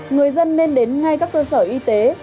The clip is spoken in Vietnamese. người dân nên đến ngay các cơ sở y tế